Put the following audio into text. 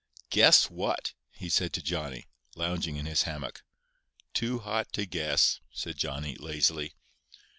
"Guess what?" he said to Johnny, lounging in his hammock. "Too hot to guess," said Johnny, lazily.